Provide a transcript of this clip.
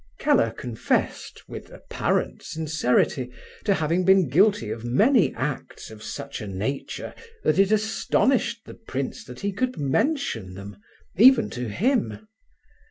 Keller confessed, with apparent sincerity, to having been guilty of many acts of such a nature that it astonished the prince that he could mention them, even to him.